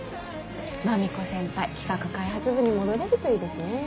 マミコ先輩企画開発部に戻れるといいですね。